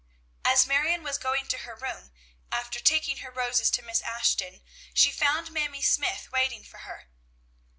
As Marion was going to her room, after taking her roses to Miss Ashton, she found Mamie Smythe waiting for her.